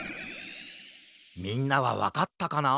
みんなはわかったかな？